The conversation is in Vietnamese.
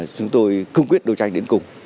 chúng tôi cung quyết đấu tranh đến cùng